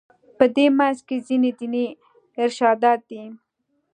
په دې منځ کې ځینې دیني ارشادات دي.